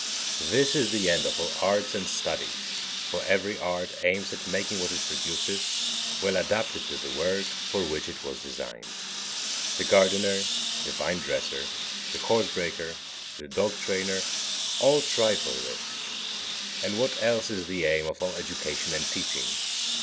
This is the end of all arts and studies, for every art aims at making what it produces well adapted to the work for which it was designed. The gardener, the vine dresser, the horse breaker, the dog trainer all try for this; and what else is the aim of all education and teaching?